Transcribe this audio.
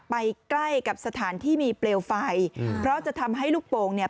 ใกล้กับสถานที่มีเปลวไฟอืมเพราะจะทำให้ลูกโป่งเนี่ย